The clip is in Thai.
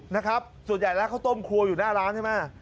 นะครับส่วนใหญ่แล้วข้าวต้มครัวอยู่หน้าร้านใช่ไหม